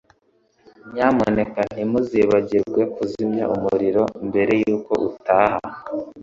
Nyamuneka ntuzibagirwe kuzimya umuriro mbere yuko utaha.